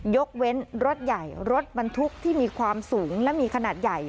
ยกเว้นรถใหญ่รถบรรทุกที่มีความสูงและมีขนาดใหญ่